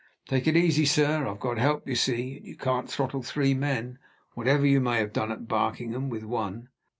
Take it easy, sir. I've got help, you see; and you can't throttle three men, whatever you may have done at Barkingham with one."